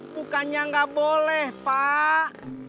bukannya gak boleh pak